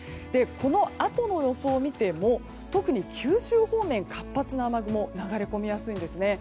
このあとの予想を見ても特に九州方面、活発な雨雲が流れ込みやすいんですね。